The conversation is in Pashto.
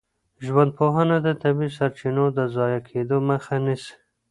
ژوندپوهنه د طبیعي سرچینو د ضایع کيدو مخه نیسي.